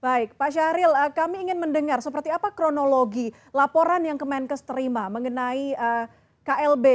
baik pak syahril kami ingin mendengar seperti apa kronologi laporan yang kemenkes terima mengenai klb